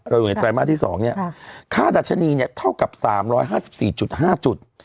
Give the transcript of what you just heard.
เราอยู่ในไตรมาสที่สองเนี่ยค่าดัชนีเนี่ยเท่ากับสามร้อยห้าสิบสี่จุดห้าจุด